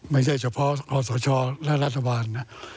ไม่ใช่เฉพาะคอสชและรัฐบาลนะ